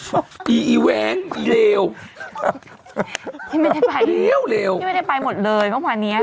โอ๊ะฮะไอ้แวงไอ้เลวเลวเลวพี่ไม่ได้ไปหมดเลยเมื่อวานเนี่ย